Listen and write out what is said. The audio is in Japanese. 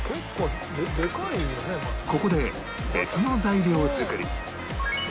ここで別の材料作り